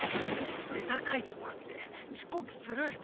ネタ書いてもらって遅刻する？